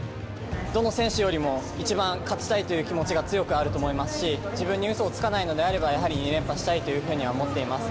どの選手よりも一番勝ちたいという気持ちが強くあると思いますし、自分にうそをつかないのであれば、やはり２連覇したいというふうには思っています。